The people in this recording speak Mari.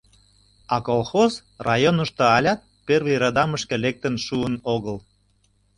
— А колхоз районышто алят первый радамышке лектын шуын огыл.